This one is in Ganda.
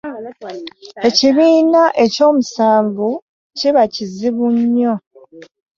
Ekibiina ekyomusanvu kiba kizibu nnyo.